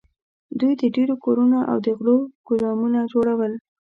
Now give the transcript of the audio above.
دوی د ډبرو کورونه او د غلو ګودامونه جوړول.